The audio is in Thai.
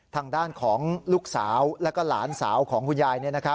ทางด้านของลูกสาวแล้วก็หลานสาวของคุณยาย